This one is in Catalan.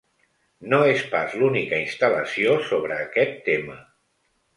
No és pas l’única instal·lació sobre aquest tema.